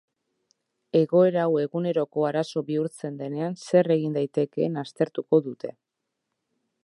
Egoera hau eguneroko arazo bihurtzen denean zer egin daitekeen aztertuko dute.